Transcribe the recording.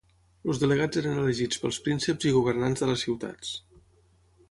Els delegats eren elegits pels prínceps i governants de les ciutats.